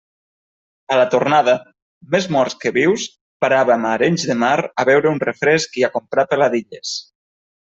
A la tornada, més morts que vius, paràvem a Arenys de Mar a beure un refresc i a comprar peladilles.